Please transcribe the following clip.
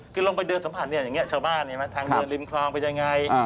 คือลงไปเดินสัมผัสชาวบ้านทางเดือนริมคลองไปยังไง